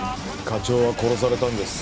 課長は殺されたんです